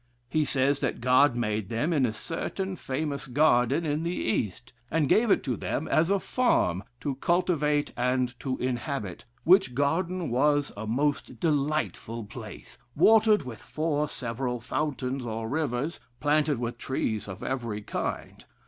He says that God made them in a certain famous garden in the East, and gave it to them as a farm to cultivate and to inhabit, which garden was a most delightful place, watered with four several fountains or rivers, planted with trees of every kind....